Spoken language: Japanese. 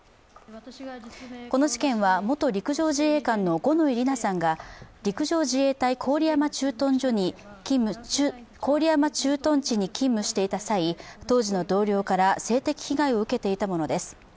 この事件は元陸上自衛官の五ノ井里奈さんさんが勤務していた際、当時の同僚から性的被害を受けていたものです。